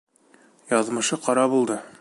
Яҙмышы ҡара булды.